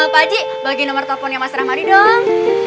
pak haji bagi nomer teleponnya mas rahmadi dong